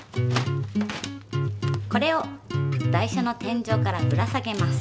これを台車の天井からぶら下げます。